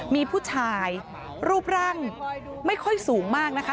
มีผู้ชายรูปร่างไม่ค่อยสูงมากนะคะ